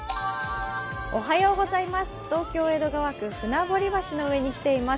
東京・江戸川区船堀橋の上に来ています。